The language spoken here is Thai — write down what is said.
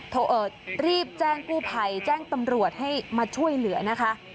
รีบแจ้งกู้ภัยแจ้งตำรวจให้มาช่วยเหลือนะคะ